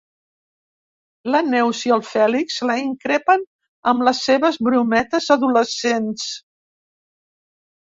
La Neus i el Fèlix la increpen amb les seves brometes adolescents.